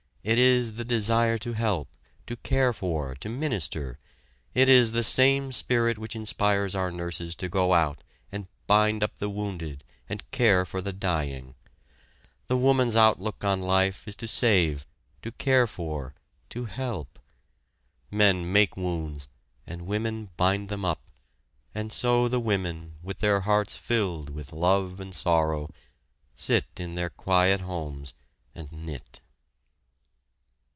It is the desire to help, to care for, to minister; it is the same spirit which inspires our nurses to go out and bind up the wounded and care for the dying. The woman's outlook on life is to save, to care for, to help. Men make wounds and women bind them up, and so the women, with their hearts filled with love and sorrow, sit in their quiet homes and knit.